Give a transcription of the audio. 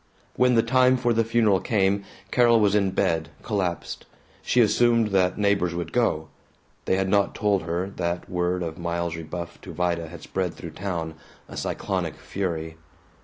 When the time for the funeral came, Carol was in bed, collapsed. She assumed that neighbors would go. They had not told her that word of Miles's rebuff to Vida had spread through town, a cyclonic fury.